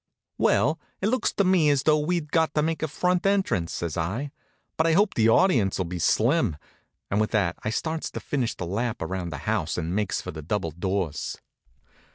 "Well, it looks to me as though we'd got to make a front entrance," says I; "but I hope the audience'll be slim," and with that I starts to finish the lap around the house and make for the double doors.